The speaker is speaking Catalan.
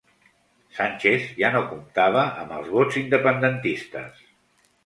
Sánchez ja no comptava amb els vots independentistes